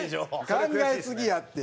考えすぎやって。